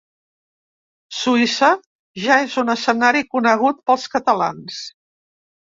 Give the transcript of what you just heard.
Suïssa ja és un escenari conegut pels catalans.